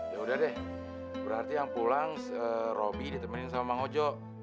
yaudah deh berarti yang pulang robby ditemenin sama bang ojo